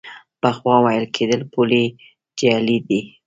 پخوا ویل کېدل پولې جعلي دي.